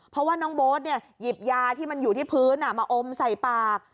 เพราะว่าน้องโบ๊ทหยิบยาที่มันอยู่ที่พื้นมาอมใส่ปาก